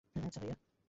আচ্ছা, ভাইয়া।